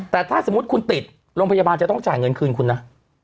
แต่ถ้าสมมุติคุณติดโรงพยาบาลจะต้องจ่ายเงินคืนคุณนะ